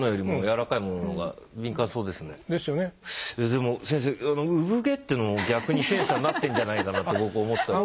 でも先生産毛っていうのも逆にセンサーになってんじゃないかなって僕思ったり。